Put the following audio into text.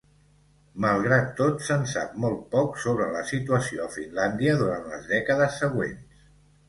Malgrat tot, se'n sap molt poc sobre la situació a Finlàndia durant les dècades següents.